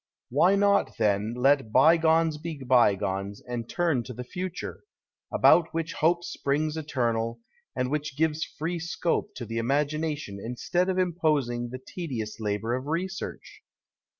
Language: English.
Why not, then, let bygones be bygones and turn to the future, about which hope springs eternal, and which gives free scope to the imagination instead of imposing the tedious labour of research